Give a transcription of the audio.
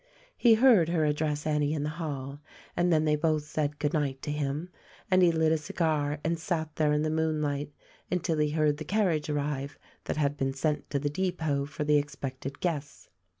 He heard her address Annie in the hall and then they both said good night to him, and he lit a cigar and sat there in the moonlight until he heard the carriage arrive that had been sent to the depot for the expected guests.